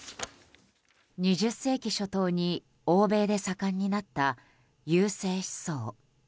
２０世紀初頭に欧米で盛んになった優生思想。